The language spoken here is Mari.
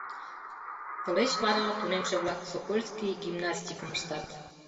Тылеч вара тунемше-влак сокольский гимнастикым ыштат.